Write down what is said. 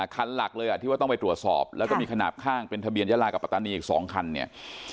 คันหลักเลยอ่ะที่ว่าต้องไปตรวจสอบแล้วก็มีขนาดข้างเป็นทะเบียนยาลากับปัตตานีอีก๒คันเนี่ย